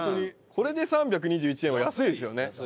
これで３２１円は安いですよね。